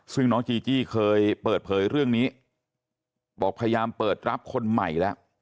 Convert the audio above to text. ซึ่งน้องจีจี้เคยเปิดเผยเรื่องนี้บอกพยายามเปิดรับคนใหม่แล้ว